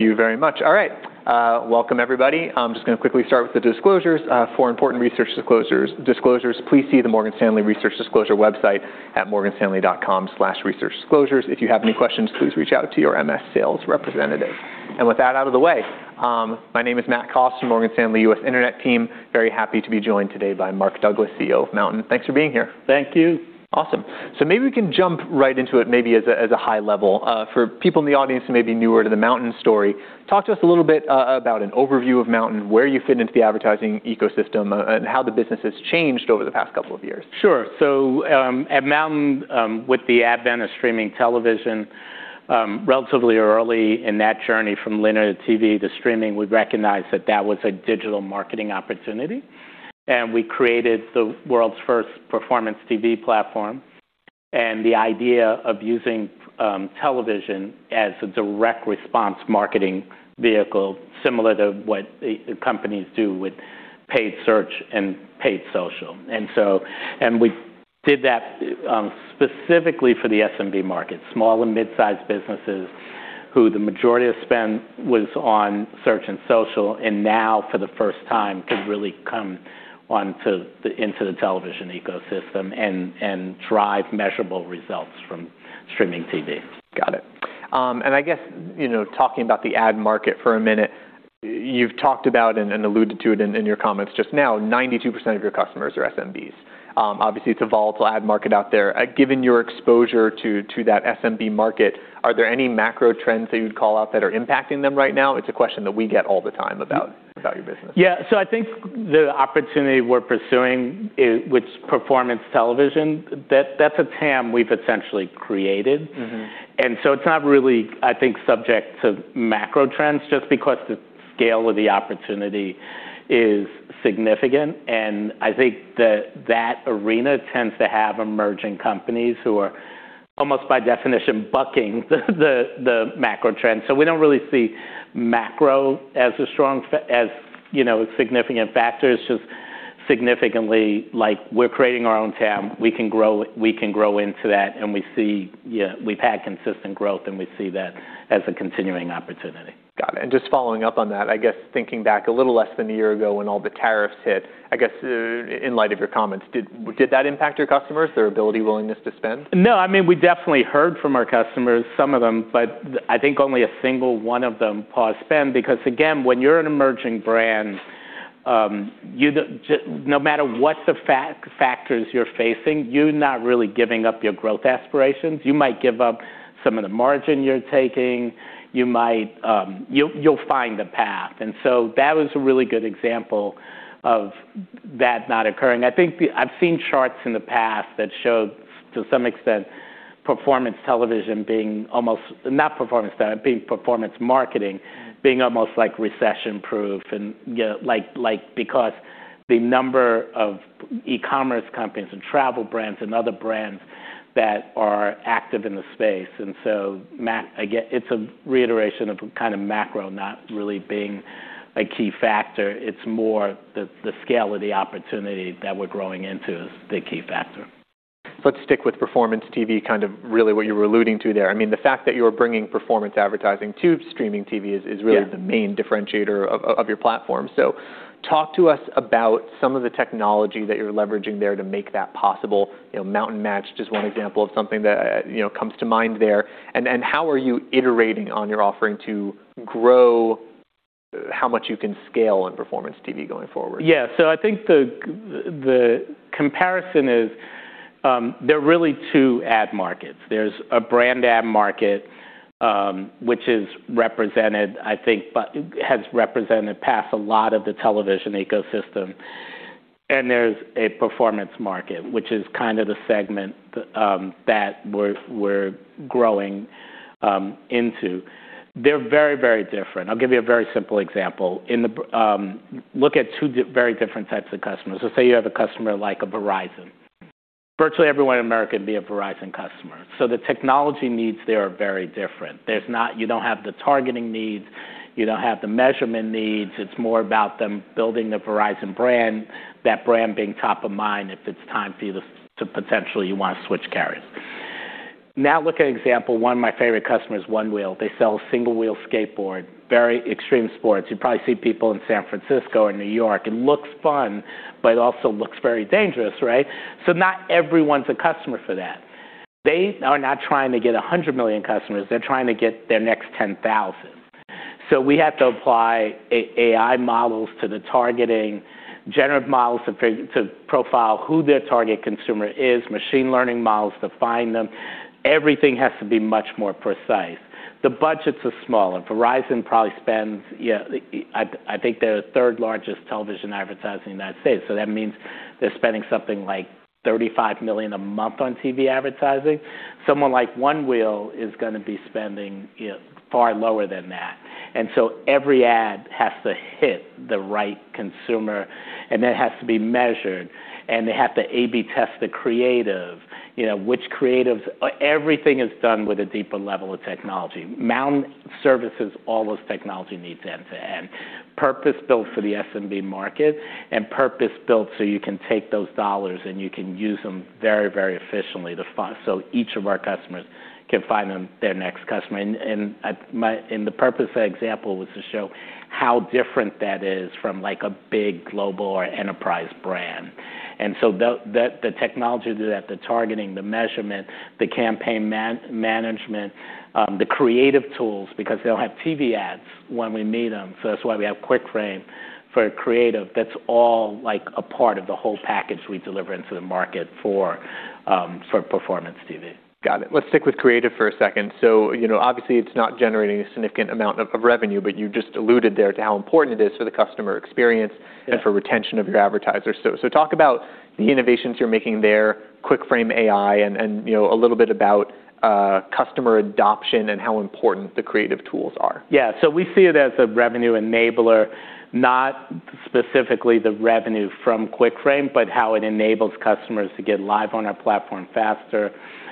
Thank you very much. All right, welcome everybody. I'm just gonna quickly start with the disclosures. For important research disclosures, please see the Morgan Stanley Research Disclosure website at morganstanley.com/researchdisclosures. If you have any questions, please reach out to your MS sales representative. With that out of the way, my name is Matt Cost from Morgan Stanley US Internet team. Very happy to be joined today by Mark Douglas, CEO of MNTN. Thanks for being here. Thank you. Awesome. Maybe we can jump right into it maybe as a, as a high level. For people in the audience who may be newer to the MNTN story, talk to us a little bit about an overview of MNTN, where you fit into the advertising ecosystem, and how the business has changed over the past couple of years. Sure. At MNTN, with the advent of streaming television, relatively early in that journey from linear TV to streaming, we recognized that that was a digital marketing opportunity, and we created the world's first Performance TV platform, and the idea of using, television as a direct response marketing vehicle similar to what companies do with paid search and paid social. We did that, specifically for the SMB market, small and mid-sized businesses, who the majority of spend was on search and social, and now for the first time could really come into the television ecosystem and drive measurable results from streaming TV. Got it. I guess, you know, talking about the ad market for a minute, you've talked about and alluded to it in your comments just now, 92% of your customers are SMBs. Obviously, it's a volatile ad market out there. Given your exposure to that SMB market, are there any macro trends that you'd call out that are impacting them right now? It's a question that we get all the time about your business. Yeah. I think the opportunity we're pursuing which Performance Television, that's a TAM we've essentially created. Mm-hmm. It's not really, I think, subject to macro trends just because the scale of the opportunity is significant, and I think that that arena tends to have emerging companies who are almost by definition bucking the macro trends. We don't really see macro as a strong as, you know, significant factors, just significantly like we're creating our own TAM. We can grow into that. We see, yeah, we've had consistent growth, and we see that as a continuing opportunity. Got it. Just following up on that, I guess thinking back a little less than a year ago when all the tariffs hit, I guess in light of your comments, did that impact your customers, their ability, willingness to spend? No. I mean, we definitely heard from our customers, some of them, but I think only one of them paused spend because, again, when you're an emerging brand, you don't no matter what the factors you're facing, you're not really giving up your growth aspirations. You might give up some of the margin you're taking. You might, you'll find a path. That was a really good example of that not occurring. I think I've seen charts in the past that showed to some extent, Performance Television being almost not Performance Television, being performance marketing, being almost like recession-proof and, you know, like because the number of e-commerce companies and travel brands and other brands that are active in the space. Matt, again, it's a reiteration of kind of macro not really being a key factor. It's more the scale of the opportunity that we're growing into is the key factor. Let's stick with Performance TV, kind of really what you were alluding to there. I mean, the fact that you're bringing performance advertising to streaming TV is really. Yeah. the main differentiator of your platform. Talk to us about some of the technology that you're leveraging there to make that possible. You know, MNTN Matched, just one example of something that, you know, comes to mind there. How are you iterating on your offering to grow how much you can scale on Performance TV going forward? Yeah. I think the comparison is, there are really two ad markets. There's a brand ad market, which is represented, I think, but has represented past a lot of the television ecosystem. There's a Performance market, which is kind of the segment that we're growing into. They're very, very different. I'll give you a very simple example. Look at two very different types of customers. Let's say you have a customer like a Verizon. Virtually everyone in America can be a Verizon customer. The technology needs there are very different. You don't have the targeting needs. You don't have the measurement needs. It's more about them building the Verizon brand, that brand being top of mind if it's time for you to potentially you want to switch carriers. Look at an example, one of my favorite customers, Onewheel. They sell a single-wheel skateboard, very extreme sports. You probably see people in San Francisco or New York. It looks fun, but it also looks very dangerous, right? Not everyone's a customer for that. They are not trying to get 100 million customers. They're trying to get their next 10,000. We have to apply AI models to the targeting, generative models to profile who their target consumer is, machine learning models to find them. Everything has to be much more precise. The budgets are smaller. Verizon probably spends, you know, I think they're the 3rd-largest television advertising in the United States, so that means they're spending something like $35 million a month on TV advertising. Someone like Onewheel is gonna be spending, you know, far lower than that. Every ad has to hit the right consumer, and that has to be measured. They have to A/B test the creative. You know, everything is done with a deeper level of technology. MNTN services all those technology needs end to end, purpose-built for the SMB market and purpose-built so you can take those dollars, and you can use them very, very efficiently so each of our customers can find them their next customer. The purpose of that example was to show how different that is from, like, a big global or enterprise brand. The technology that the targeting, the measurement, the campaign management, the creative tools, because they'll have TV ads when we meet them, so that's why we have QuickFrame for creative. That's all, like, a part of the whole package we deliver into the market for Performance TV. Got it. Let's stick with creative for a second. You know, obviously it's not generating a significant amount of revenue, but you just alluded there to how important it is for the customer experience. Yeah. -and for retention of your advertisers. Talk about the innovations you're making there, QuickFrame AI and, you know, a little bit about customer adoption and how important the creative tools are. Yeah. We see it as a revenue enabler, not specifically the revenue from QuickFrame, but how it enables customers to get live on our platform faster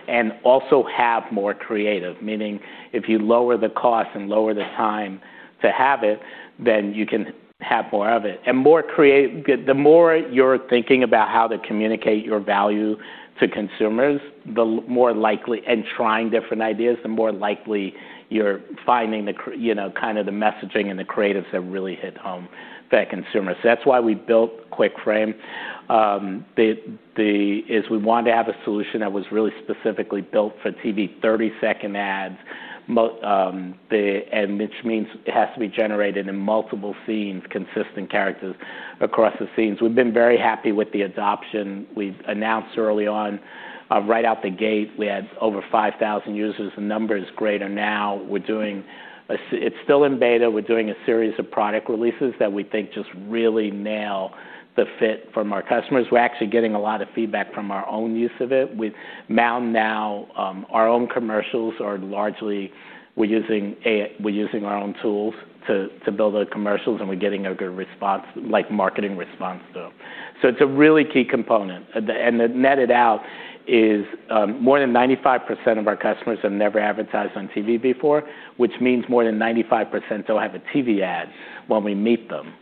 and also have more creative. Meaning if you lower the cost and lower the time to have it, then you can have more of it. The more you're thinking about how to communicate your value to consumers, the more likely and trying different ideas, the more likely you're finding the you know, kind of the messaging and the creatives that really hit home for that consumer. That's why we built QuickFrame. Is we wanted to have a solution that was really specifically built for TV 30-second ads. Which means it has to be generated in multiple scenes, consistent characters across the scenes. We've been very happy with the adoption. We've announced early on, right out the gate, we had over 5,000 users. The number is greater now. It's still in beta. We're doing a series of product releases that we think just really nail the fit from our customers. We're actually getting a lot of feedback from our own use of it. MNTN now, our own commercials are largely we're using our own tools to build our commercials, and we're getting a good response, like marketing response to them. It's a really key component. The netted out is, more than 95% of our customers have never advertised on TV before, which means more than 95% don't have a TV ad when we meet them,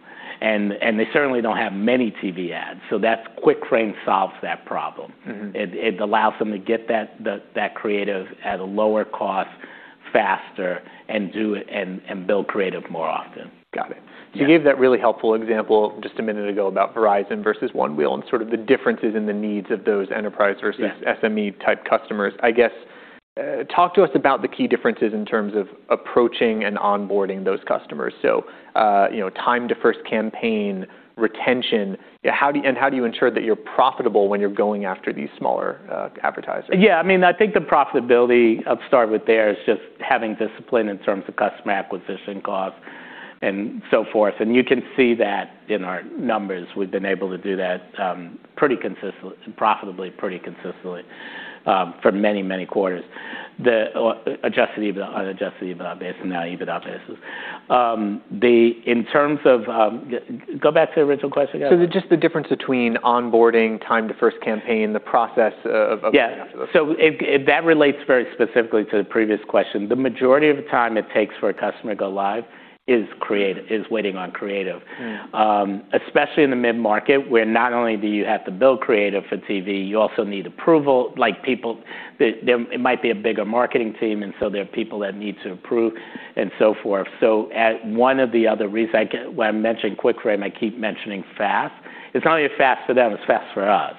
and they certainly don't have many TV ads. That's QuickFrame solves that problem. Mm-hmm. It allows them to get that creative at a lower cost faster and do it and build creative more often. Got it. Yeah. You gave that really helpful example just a minute ago about Verizon versus Onewheel and sort of the differences in the needs of those enterprise versus. Yeah. SMB-type customers. I guess, talk to us about the key differences in terms of approaching and onboarding those customers? You know, time to first campaign, retention. How do you ensure that you're profitable when you're going after these smaller, advertisers? Yeah. I mean, I think the profitability I'll start with there is just having discipline in terms of customer acquisition costs and so forth. You can see that in our numbers. We've been able to do that pretty consistently, profitably pretty consistently, for many, many quarters. The adjusted EBITDA, unadjusted EBITDA base and now EBITDA bases. Go back to the original question again. just the difference between onboarding, time to first campaign, the process of. Yeah. If that relates very specifically to the previous question. The majority of the time it takes for a customer to go live is waiting on creative. Mm. Especially in the mid-market, where not only do you have to build creative for TV, you also need approval, like people. It might be a bigger marketing team, there are people that need to approve and so forth. One of the other reasons when I mention QuickFrame, I keep mentioning fast. It's not only fast for them, it's fast for us.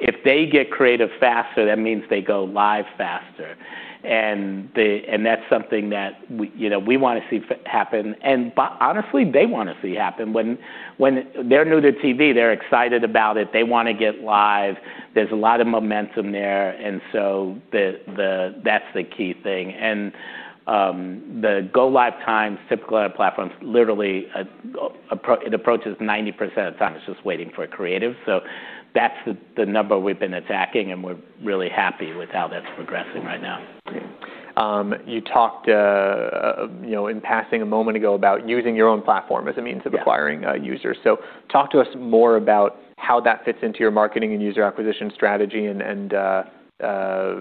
If they get creative faster, that means they go live faster, and that's something that we, you know, we wanna see happen, and honestly, they wanna see happen. When they're new to TV, they're excited about it, they wanna get live. There's a lot of momentum there, that's the key thing. The Go-live time, typical on our platform's literally it approaches 90% of the time it's just waiting for creative. That's the number we've been attacking, and we're really happy with how that's progressing right now. You talked, you know, in passing a moment ago about using your own platform as a means of-. Yeah. acquiring, users. Talk to us more about how that fits into your marketing and user acquisition strategy and,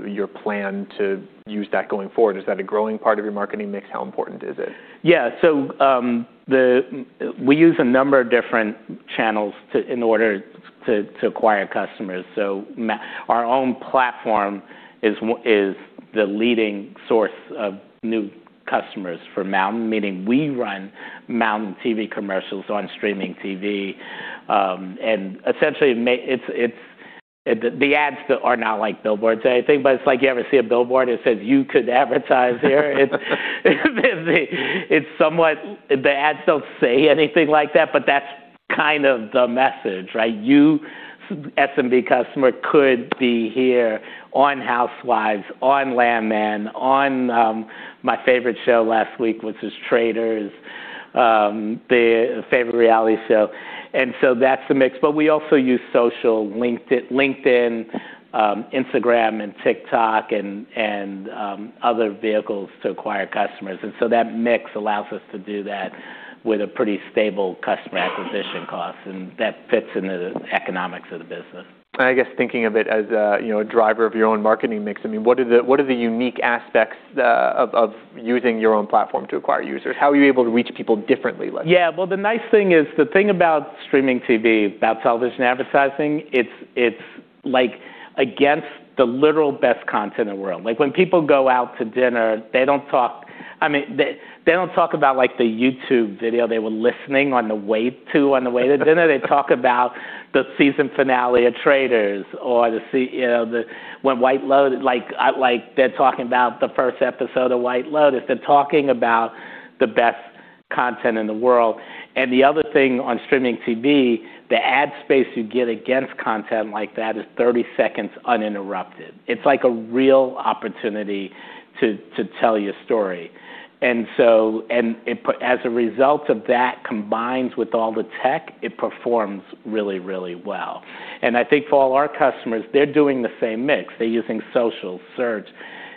your plan to use that going forward. Is that a growing part of your marketing mix? How important is it? Yeah. We use a number of different channels to, in order to acquire customers. Our own platform is the leading source of new customers for MNTN, meaning we run MNTN TV commercials on streaming TV. Essentially, the ads are not like billboards or anything, but it's like you ever see a billboard that says, "You could advertise here." It's somewhat. The ads don't say anything like that, but that's kind of the message, right? You, SMB customer, could be here on Housewives, on Landman, on my favorite show last week, which was Traders, the favorite reality show. That's the mix. We also use social, LinkedIn, Instagram and TikTok and other vehicles to acquire customers. That mix allows us to do that with a pretty stable customer acquisition cost, and that fits into the economics of the business. I guess thinking of it as a, you know, driver of your own marketing mix, I mean, what are the unique aspects of using your own platform to acquire users? How are you able to reach people differently? Yeah. Well, the nice thing is, the thing about streaming TV, about television advertising, it's like against the literal best content in the world. Like, when people go out to dinner, they don't talk, I mean, they don't talk about like the YouTube video they were listening on the way to, on the way to dinner. They talk about the season finale of The Traitors or The White Lotus. Like, they're talking about the first episode of The White Lotus. They're talking about the best content in the world. The other thing on streaming TV, the ad space you get against content like that is 30 seconds uninterrupted. It's like a real opportunity to tell your story. As a result of that combined with all the tech, it performs really, really well. I think for all our customers, they're doing the same mix. They're using social, search.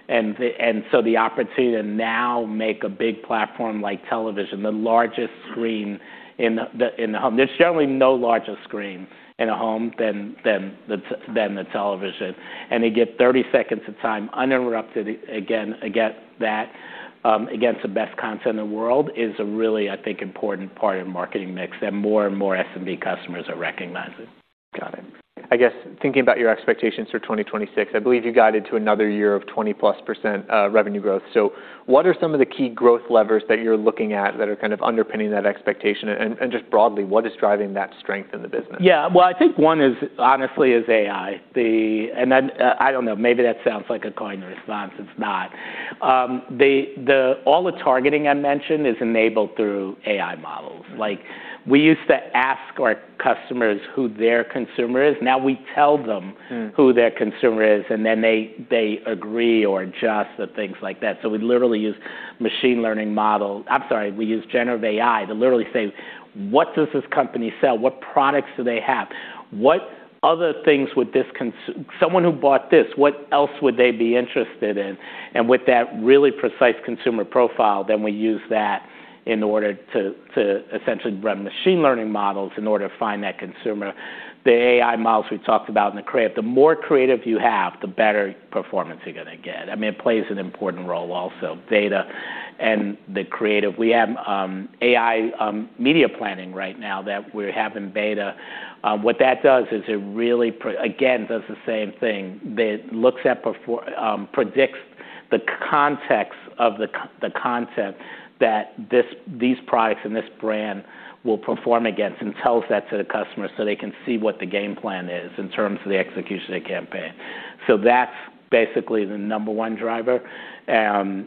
The opportunity to now make a big platform like television the largest screen in the home. There's generally no larger screen in a home than the television. They get 30 seconds of time uninterrupted again, against that, against the best content in the world is a really, I think, important part of marketing mix, and more and more SMB customers are recognizing. Got it. I guess thinking about your expectations for 2026, I believe you guided to another year of 20%+ revenue growth. What are some of the key growth levers that you're looking at that are kind of underpinning that expectation? Just broadly, what is driving that strength in the business? Yeah. Well, I think one is honestly is AI. Then, I don't know, maybe that sounds like a coin response. It's not. All the targeting I mentioned is enabled through AI models. Mm-hmm. Like, we used to ask our customers who their consumer is, now we tell them. Mm. who their consumer is, and then they agree or adjust or things like that. We literally use machine learning model. I'm sorry, we use generative AI to literally say, "What does this company sell? What products do they have? What other things would someone who bought this, what else would they be interested in?" With that really precise consumer profile, then we use that in order to essentially run machine learning models in order to find that consumer. The AI models we talked about in the creative, the more creative you have, the better performance you're gonna get. I mean, it plays an important role also, data and the creative. We have AI media planning right now that we have in beta. What that does is it really again, does the same thing. That looks at predicts the context of the content that this, these products and this brand will perform against and tells that to the customer so they can see what the game plan is in terms of the execution of the campaign. That's basically the number one driver,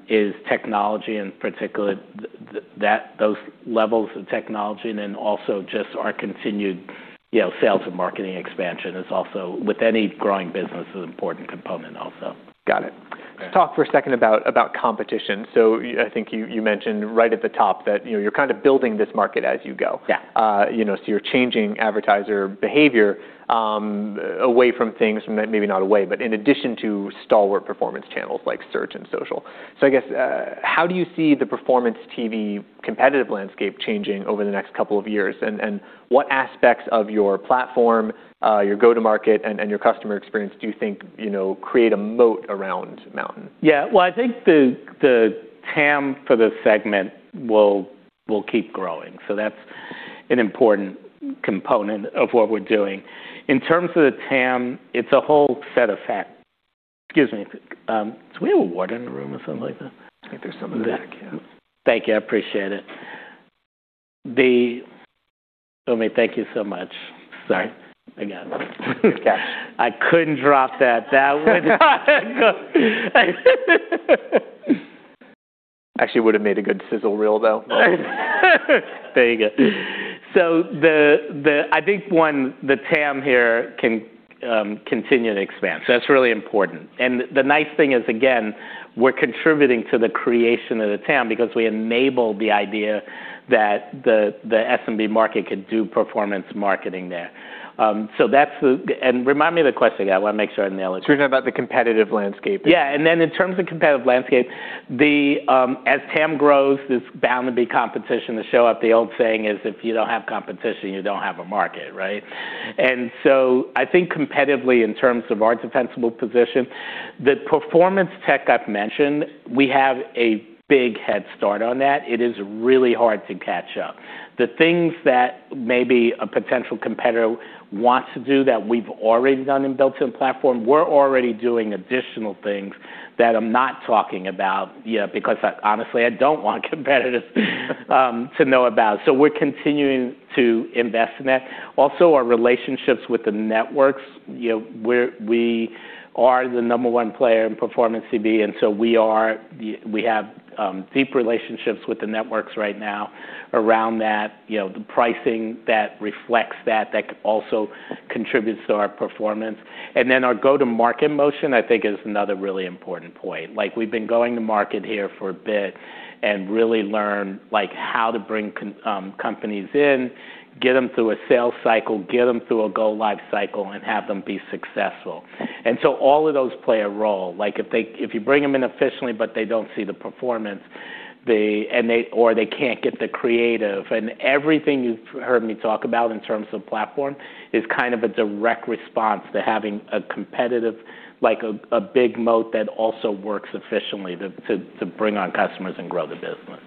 is technology, in particular those levels of technology, and then also just our continued, you know, sales and marketing expansion is also, with any growing business, is an important component also. Got it. Yeah. Let's talk for a second about competition. I think you mentioned right at the top that, you know, you're kind of building this market as you go. Yeah. You know, you're changing advertiser behavior away from things, maybe not away, but in addition to stalwart performance channels like search and social. I guess, how do you see the Performance TV competitive landscape changing over the next 2 years? What aspects of your platform, your go-to-market and your customer experience do you think, you know, create a moat around MNTN? Yeah. Well, I think the TAM for the segment will keep growing. That's an important component of what we're doing. In terms of the TAM, it's a whole set of Excuse me. Do we have a water in the room or something like that? I think there's some in the back, yeah. Thank you. I appreciate it. Umi, thank you so much. Sorry. All right. Again. Gotcha. I couldn't drop that. Actually would have made a good sizzle reel, though. There you go. I think, one, the TAM here can continue to expand. That's really important. The nice thing is, again, we're contributing to the creation of the TAM because we enable the idea that the SMB market could do performance marketing there. That's the... Remind me of the question again. I wanna make sure I nail it. We're talking about the competitive landscape. Yeah. In terms of competitive landscape, the, as TAM grows, there's bound to be competition to show up. The old saying is, if you don't have competition, you don't have a market, right? I think competitively, in terms of our defensible position, the performance tech I've mentioned, we have a big head start on that. It is really hard to catch up. The things that maybe a potential competitor wants to do that we've already done and built in platform, we're already doing additional things that I'm not talking about, you know, because I, honestly, I don't want competitors to know about. We're continuing to invest in that. Our relationships with the networks, you know, we're, we are the number one player in Performance TV, and so we have deep relationships with the networks right now around that, you know, the pricing that reflects that also contributes to our performance. Our Go-To-Market Motion, I think, is another really important point. Like, we've been going to market here for a bit and really learn how to bring companies in, get them through a sales cycle, get them through a go live cycle, and have them be successful. All of those play a role. Like, if they, if you bring them in efficiently, but they don't see the performance, they. They can't get the creative. Everything you've heard me talk about in terms of platform is kind of a direct response to having a competitive, like a big moat that also works efficiently to bring on customers and grow the business.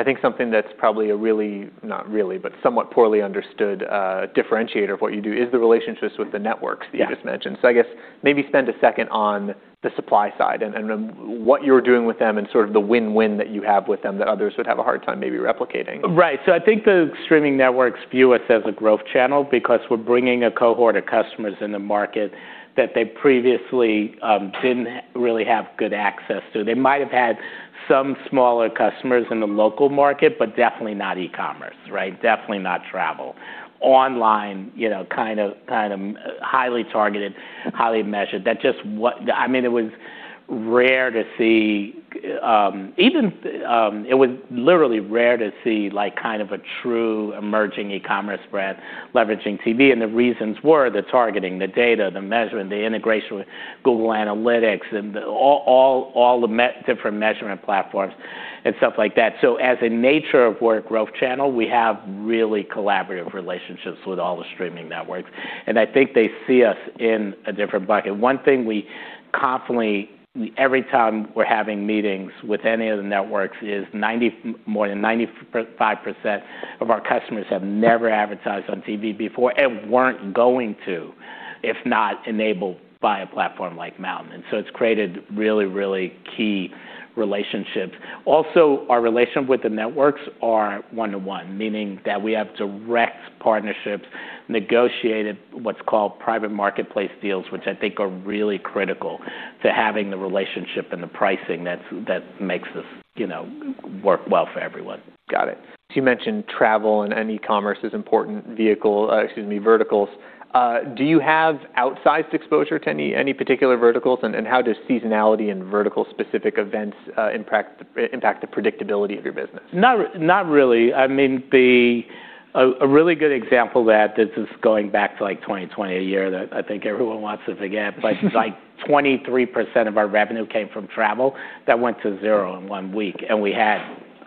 I think something that's probably a really, not really, but somewhat poorly understood, differentiator of what you do is the relationships with the networks that you just mentioned. Yeah. I guess maybe spend a second on the supply side and what you're doing with them and sort of the win-win that you have with them that others would have a hard time maybe replicating? Right. I think the streaming networks view us as a growth channel because we're bringing a cohort of customers in the market that they previously didn't really have good access to. They might have had some smaller customers in the local market, but definitely not e-commerce, right? Definitely not travel. Online, you know, kind of, kind of highly targeted, highly measured. That just I mean, it was rare to see, even It was literally rare to see, like, kind of a true emerging e-commerce brand leveraging TV, and the reasons were the targeting, the data, the measurement, the integration with Google Analytics and all the different measurement platforms and stuff like that. As a nature of we're a growth channel, we have really collaborative relationships with all the streaming networks, and I think they see us in a different bucket. One thing we constantly, every time we're having meetings with any of the networks is more than 95% of our customers have never advertised on TV before and weren't going to if not enabled by a platform like MNTN. It's created really, really key relationships. Also, our relationships with the networks are 1-to-1, meaning that we have direct partnerships, negotiated what's called private marketplace deals, which I think are really critical to having the relationship and the pricing that makes this, you know, work well for everyone. Got it. You mentioned travel and e-commerce is important vehicle, excuse me, verticals. Do you have outsized exposure to any particular verticals? How does seasonality and vertical specific events impact the predictability of your business? Not really. I mean, a really good example that this is going back to, like, 2020, a year that I think everyone wants to forget. Like, 23% of our revenue came from travel that went to zero in one week, and we had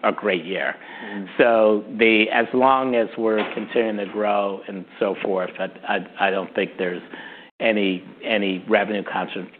a great year. Mm-hmm. As long as we're continuing to grow and so forth, I don't think there's any revenue concentration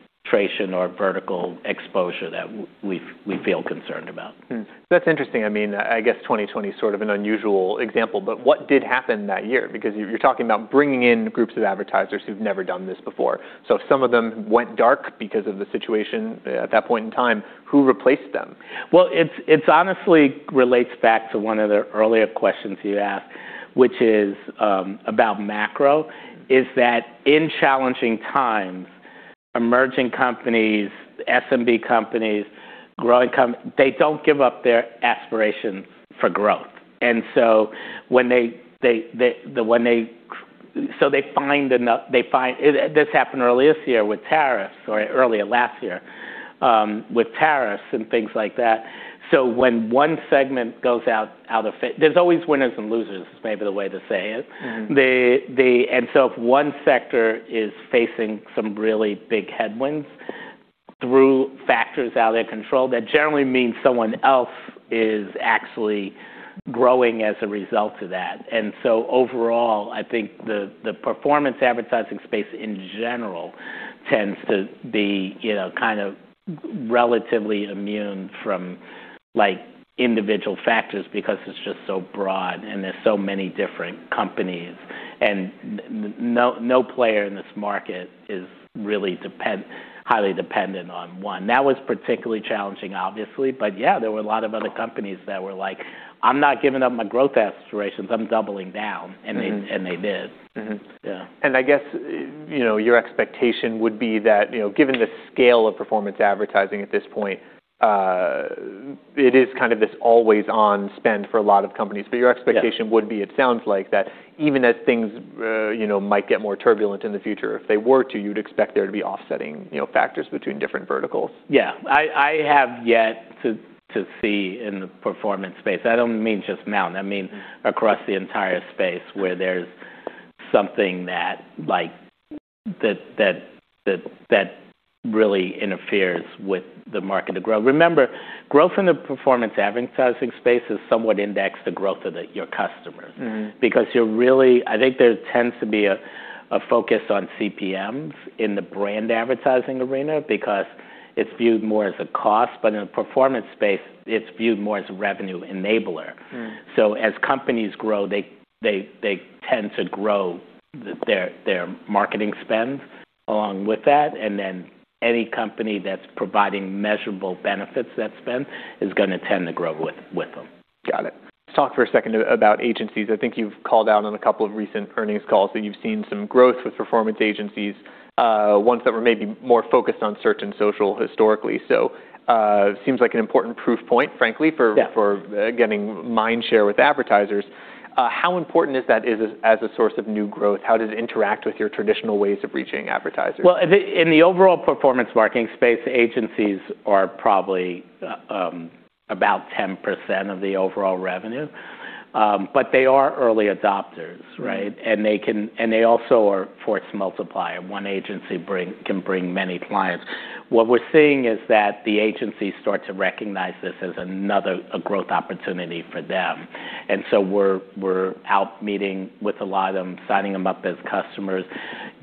or vertical exposure that we feel concerned about. Hmm. That's interesting. I mean, I guess 2020 is sort of an unusual example. What did happen that year? You're talking about bringing in groups of advertisers who've never done this before. If some of them went dark because of the situation at that point in time, who replaced them? Well, it's honestly relates back to one of the earlier questions you asked, which is about macro, is that in challenging times, emerging companies, SMB companies, growing companies. They don't give up their aspiration for growth. When they find enough. They find. This happened earlier this year with tariffs, or earlier last year, with tariffs and things like that. When one segment goes out of favor, there's always winners and losers is maybe the way to say it. Mm-hmm. If one sector is facing some really big headwinds through factors out of their control, that generally means someone else is actually growing as a result of that. Overall, I think the performance advertising space in general tends to be, you know, kind of relatively immune from, like, individual factors because it's just so broad and there's so many different companies. No player in this market is really highly dependent on one. That was particularly challenging, obviously. Yeah, there were a lot of other companies that were like, "I'm not giving up my growth aspirations. I'm doubling down. Mm-hmm. They did. Mm-hmm. Yeah. I guess, you know, your expectation would be that, you know, given the scale of performance advertising at this point, it is kind of this always-on spend for a lot of companies. Yeah. Your expectation would be, it sounds like, that even as things, you know, might get more turbulent in the future, if they were to, you'd expect there to be offsetting, you know, factors between different verticals. Yeah. I have yet to see in the performance space, I don't mean just MNTN, I mean across the entire space, where there's something that, like, that really interferes with the market to grow. Remember, growth in the performance advertising space is somewhat indexed to growth of your customers. Mm-hmm. I think there tends to be a focus on CPMs in the brand advertising arena because it's viewed more as a cost, but in a performance space, it's viewed more as a revenue enabler. Hmm. As companies grow, they tend to grow their marketing spend along with that, any company that's providing measurable benefits that spend is going to tend to grow with them. Got it. Let's talk for a second about agencies. I think you've called out on a couple of recent earnings calls that you've seen some growth with performance agencies, ones that were maybe more focused on search and social historically. Seems like an important proof point, frankly. Yeah. for getting mind share with advertisers. How important is that as a source of new growth? How does it interact with your traditional ways of reaching advertisers? Well, In the overall performance marketing space, agencies are probably about 10% of the overall revenue. They are early adopters, right? Mm-hmm. They also are force multiplier. One agency can bring many clients. What we're seeing is that the agencies start to recognize this as a growth opportunity for them. We're, we're out meeting with a lot of them, signing them up as customers,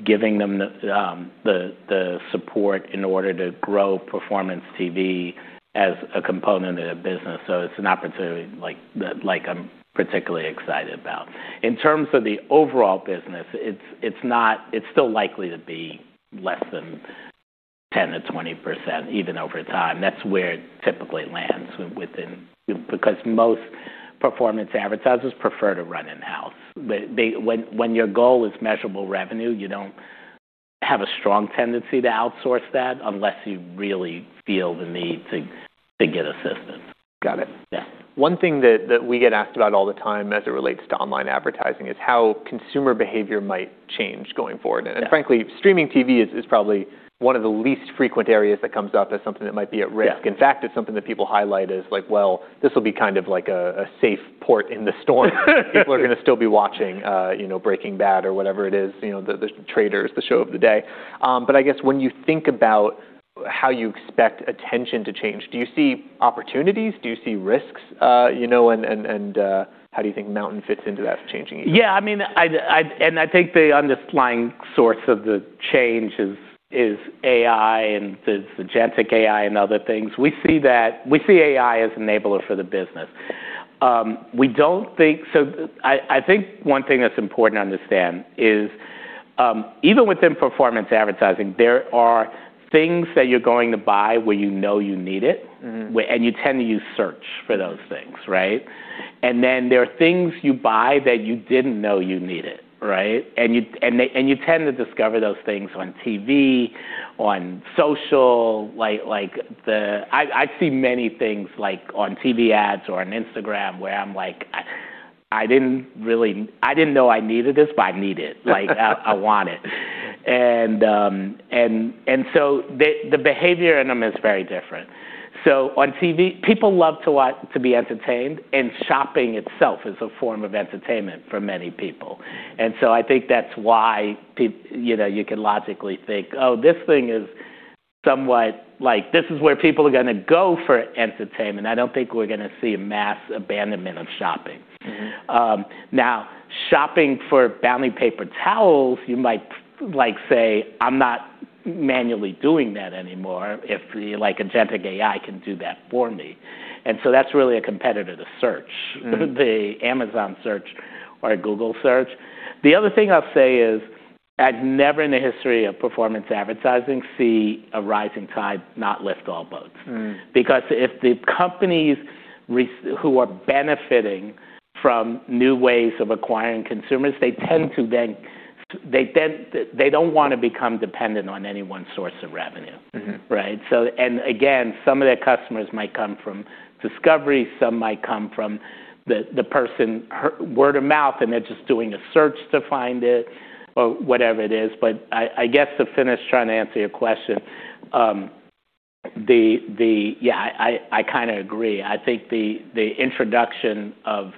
giving them the support in order to grow Performance TV as a component of their business. It's an opportunity like I'm particularly excited about. In terms of the overall business, it's still likely to be less than 10%-20% even over time. That's where it typically lands because most performance advertisers prefer to run in-house. When your goal is measurable revenue, you don't have a strong tendency to outsource that unless you really feel the need to get assistance. Got it. Yeah. One thing that we get asked about all the time as it relates to online advertising is how consumer behavior might change going forward. Yeah. Frankly, streaming TV is probably one of the least frequent areas that comes up as something that might be at risk. Yeah. In fact, it's something that people highlight as like, well, this will be kind of like a safe port in the storm. People are gonna still be watching, you know, Breaking Bad or whatever it is, you know, The Traitors, the show of the day. I guess when you think about how you expect attention to change, do you see opportunities? Do you see risks, you know, and how do you think MNTN fits into that changing ecosystem? I mean, I think the underlying source of the change is AI and the agentic AI and other things. We see AI as enabler for the business. We don't think... I think one thing that's important to understand is, even within Performance advertising, there are things that you're going to buy where you know you need it... Mm-hmm you tend to use search for those things, right? There are things you buy that you didn't know you needed, right? You tend to discover those things on TV, on social, like the... I see many things like on TV ads or on Instagram where I'm like, "I didn't know I needed this, but I need it." "Like, I want it." The behavior in them is very different. On TV, people love to be entertained, and shopping itself is a form of entertainment for many people. I think that's why you know, you can logically think, "Oh, this thing is somewhat like this is where people are gonna go for entertainment." I don't think we're gonna see a mass abandonment of shopping. Mm-hmm. Now, shopping for Bounty paper towels, you might like say, "I'm not manually doing that anymore if like agentic AI can do that for me." That's really a competitor to search. Mm-hmm. The Amazon search or a Google search. The other thing I'll say is I'd never in the history of performance advertising see a rising tide not lift all boats. Mm. If the companies who are benefiting from new ways of acquiring consumers, they tend to then they don't wanna become dependent on any one source of revenue. Mm-hmm. Right? Again, some of their customers might come from discovery, some might come from the person, word of mouth, and they're just doing a search to find it or whatever it is. I guess to finish trying to answer your question, Yeah, I kind of agree. I think the introduction of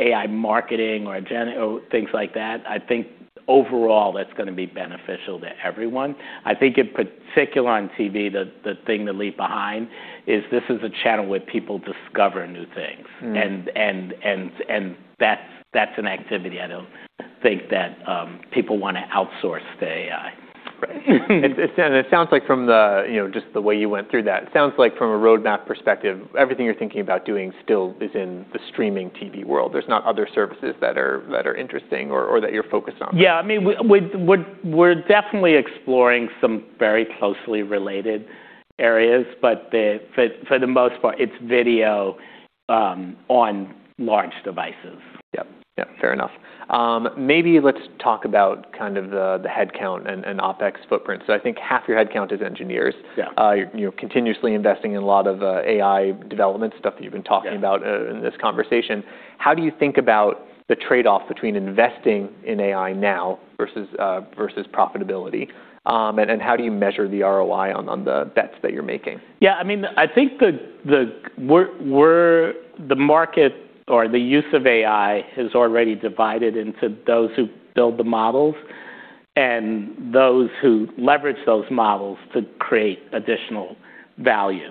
AI marketing or agentic or things like that, I think overall that's gonna be beneficial to everyone. I think in particular on TV, the thing to leave behind is this is a channel where people discover new things. Mm. That's an activity I don't think that people wanna outsource to AI. Right. It sounds like from the, you know, just the way you went through that, it sounds like from a roadmap perspective, everything you're thinking about doing still is in the streaming TV world. There's not other services that are interesting or that you're focused on. Yeah. I mean, we're definitely exploring some very closely related areas, but for the most part, it's video, on large devices. Yep. Yep. Fair enough. Maybe let's talk about kind of the headcount and OpEx footprint. I think half your headcount is engineers. Yeah. You're, you know, continuously investing in a lot of AI development stuff that you've been talking- Yeah about in this conversation. How do you think about the trade-off between investing in AI now versus versus profitability? How do you measure the ROI on the bets that you're making? I mean, I think the market or the use of AI is already divided into those who build the models and those who leverage those models to create additional value.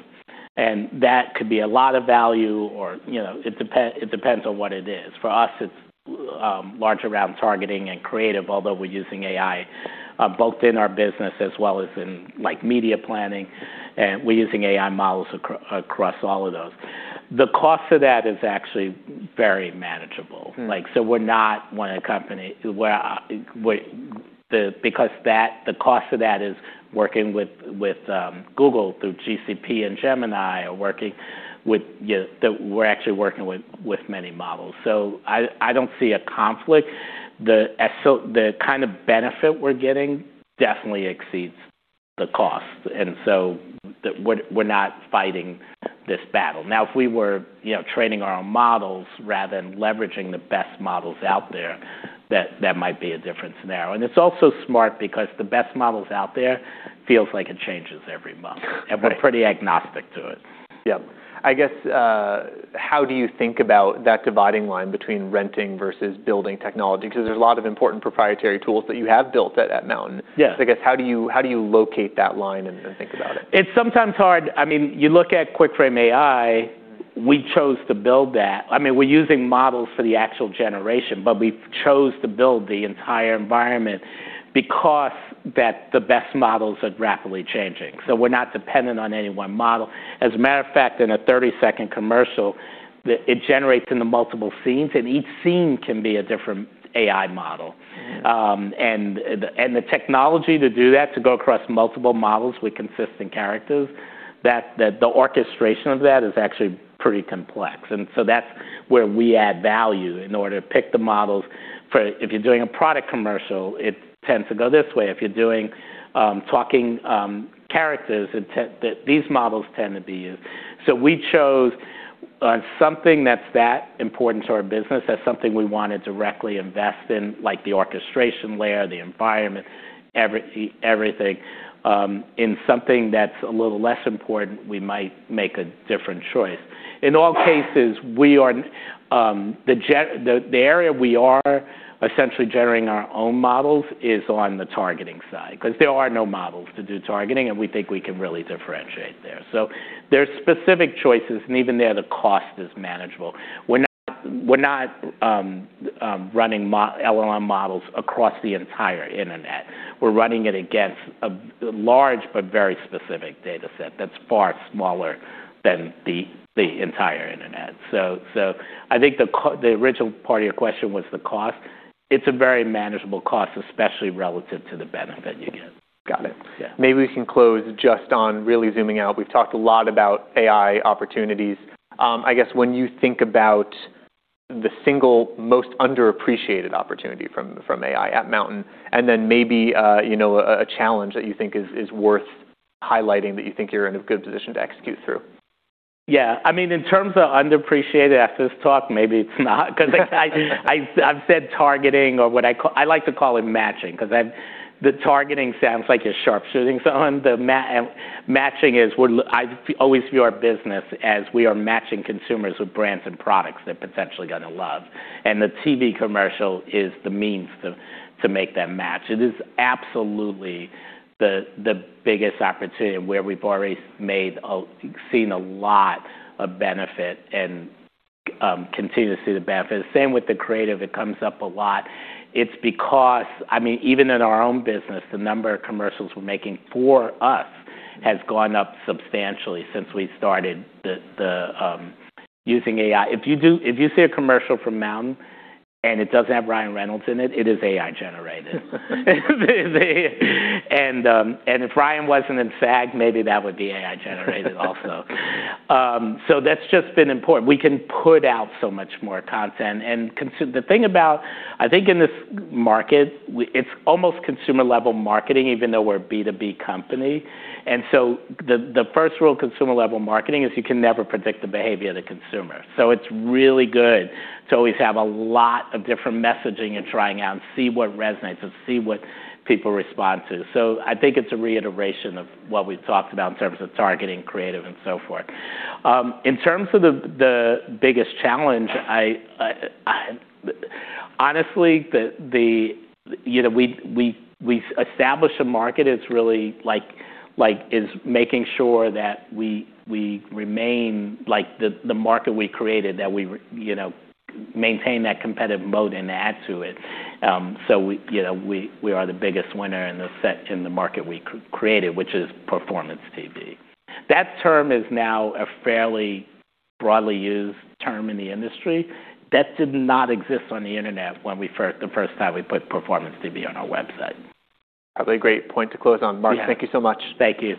That could be a lot of value or, you know, it depends on what it is. For us, it's largely around targeting and creative, although we're using AI both in our business as well as in like media planning. We're using AI models across all of those. The cost of that is actually very manageable. Mm. We're not one of the company where the cost of that is working with Google through GCP and Gemini or working with many models. I don't see a conflict. The kind of benefit we're getting definitely exceeds the cost. We're not fighting this battle. Now, if we were, you know, training our own models rather than leveraging the best models out there, that might be a different scenario. It's also smart because the best models out there feels like it changes every month. Right. We're pretty agnostic to it. Yep. I guess, how do you think about that dividing line between renting versus building technology, 'cause there's a lot of important proprietary tools that you have built at MNTN. Yes. I guess, how do you locate that line and think about it? It's sometimes hard. I mean, you look at QuickFrame AI. We chose to build that. I mean, we're using models for the actual generation, but we chose to build the entire environment because that the best models are rapidly changing, so we're not dependent on any one model. As a matter of fact, in a 30-second commercial, it generates into multiple scenes, and each scene can be a different AI model. And the technology to do that, to go across multiple models with consistent characters, that, the orchestration of that is actually pretty complex. That's where we add value in order to pick the models. If you're doing a product commercial, it tends to go this way. If you're doing talking characters, these models tend to be used. We chose something that's that important to our business, that's something we wanna directly invest in, like the orchestration layer, the environment, everything. In something that's a little less important, we might make a different choice. In all cases, we are the area we are essentially generating our own models is on the targeting side. 'Cause there are no models to do targeting, and we think we can really differentiate there. There's specific choices, and even there, the cost is manageable. We're not running LLM models across the entire internet. We're running it against a large but very specific data set that's far smaller than the entire internet. I think the original part of your question was the cost. It's a very manageable cost, especially relative to the benefit you get. Got it. Yeah. Maybe we can close just on really zooming out. We've talked a lot about AI opportunities. I guess when you think about the single most underappreciated opportunity from AI at MNTN, and then maybe, you know, a challenge that you think is worth highlighting that you think you're in a good position to execute through. Yeah. I mean, in terms of underappreciated, after this talk, maybe it's not 'Cause I've said targeting or what I like to call it matching, 'cause the targeting sounds like you're sharpshooting someone. The matching is I always view our business as we are matching consumers with brands and products they're potentially gonna love. The TV commercial is the means to make that match. It is absolutely the biggest opportunity where we've already seen a lot of benefit and continue to see the benefit. Same with the creative. It comes up a lot. It's because, I mean, even in our own business, the number of commercials we're making for us has gone up substantially since we started the using AI. If you see a commercial from MNTN and it doesn't have Ryan Reynolds in it is AI-generated. If Ryan wasn't in SAG, maybe that would be AI-generated also. That's just been important. We can put out so much more content. The thing about, I think in this market, it's almost consumer-level marketing, even though we're a B2B company. The first rule of consumer-level marketing is you can never predict the behavior of the consumer. It's really good to always have a lot of different messaging and trying out and see what resonates and see what people respond to. I think it's a reiteration of what we've talked about in terms of targeting, creative, and so forth. In terms of the biggest challenge, I honestly, the, you know, we've established a market. It's really like, is making sure that we remain like the market we created, that we, you know, maintain that competitive mode and add to it. We, you know, we are the biggest winner in the market we created, which is Performance TV. That term is now a fairly broadly used term in the industry. That did not exist on the internet when we first, the first time we put Performance TV on our website. That's a great point to close on. Yeah. Mark, thank you so much. Thank you.